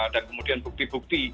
dan kemudian bukti bukti